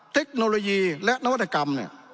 เทคโนโลยีและนวัตกรรม